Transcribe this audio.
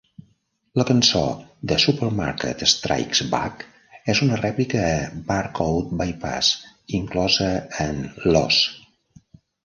La cançó "The Supermarket Strikes Back" és una rèplica a "Barcode Bypass", inclosa en "Loss".